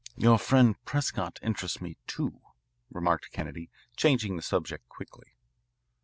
"Your friend Prescott interests me, too," remarked Kennedy, changing the subject quickly.